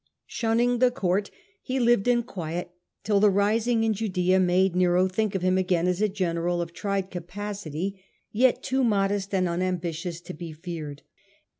Shun ning the court, he lived in quiet till the rising in Judaea made Nero think of him again as a general of ^,. 1,1. Sent to com tned capacity, yet too modest and unambi nwnd in tious to be feared.